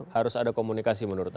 harus ada komunikasi menurut anda